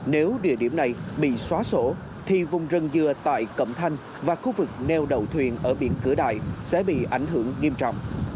nếu địa điểm này bị xóa sổ thì vùng rừng dừa tại cẩm thanh và khu vực neo đậu thuyền ở biển cửa đại sẽ bị ảnh hưởng nghiêm trọng